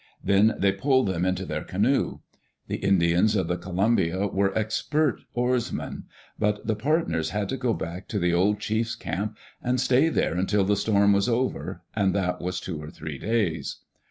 Then they pulled them into their canoe. The Indians of the Columbia were expert oars men. But the partners had to go back to the old chief's camp and stay there until the storm was over, and that was two or three days.